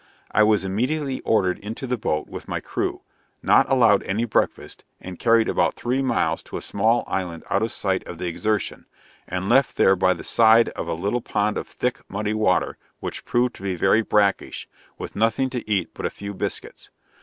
I was immediately ordered into the boat with my crew, not allowed any breakfast, and carried about three miles to a small island out of sight of the Exertion, and left there by the side of a little pond of thick, muddy water, which proved to be very brackish, with nothing to eat but a few biscuits.